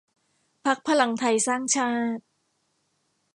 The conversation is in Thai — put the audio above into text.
พรรคพลังไทสร้างชาติ